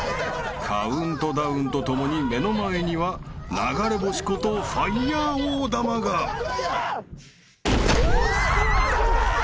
［カウントダウンとともに目の前には流れ星ことファイヤー大玉が］うわ！